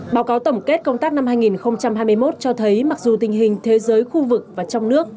báo cáo tổng kết công tác năm hai nghìn hai mươi một cho thấy mặc dù tình hình thế giới khu vực và trong nước